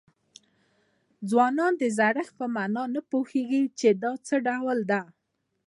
ځوان د زړښت په معنا نه پوهېږي چې څه ډول ده.